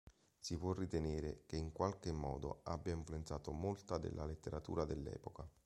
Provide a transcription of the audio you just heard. Si può ritenere che in qualche modo abbia influenzato molta della letteratura dell'epoca.